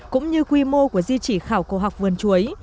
cũng như quy mô của di chỉ khảo cổ học vườn chuối